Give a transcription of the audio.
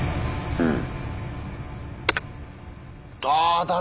うん。